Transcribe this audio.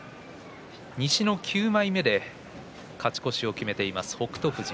西の９枚目で勝ち越しを決めている北勝富士。